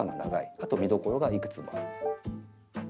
あと見どころがいくつもある。